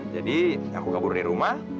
jadi aku kabur dari rumah